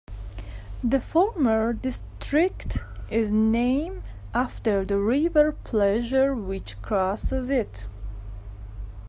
The former district is named after the river Plessur which crosses it.